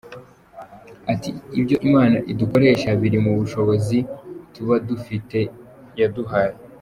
Ati “Ibyo Imana idukoresha biri mu bushobozi tuba dufite yaduhaye.